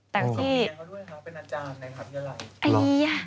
แต่ที่